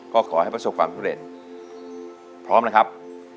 ก็ขอให้ประสบความสำเร็จพร้อมนะครับ